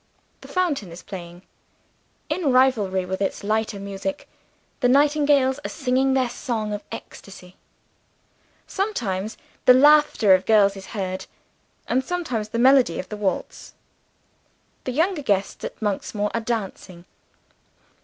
The fountain is playing. In rivalry with its lighter music, the nightingales are singing their song of ecstasy. Sometimes, the laughter of girls is heard and, sometimes, the melody of a waltz. The younger guests at Monksmoor are dancing.